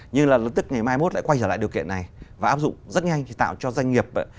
nhưng là lập tức ngày mai mốt lại quay trở lại điều kiện này và áp dụng rất nhanh thì tạo cho doanh nghiệp